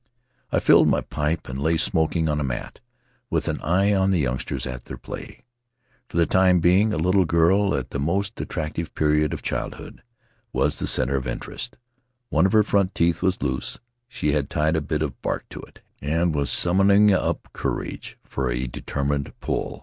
I filled my pipe and lay smoking on a mat, with an eye on the youngsters at their play. For the time being, a little girl, at the most attractive period of childhood, was the center of interest. One of her front teeth was loose; she had tied a bit of bark to it and was summoning up courage for a determined pull.